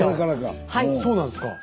そうなんですか。